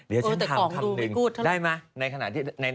เดี๋ยวฉันถามคำหนึ่งได้มะ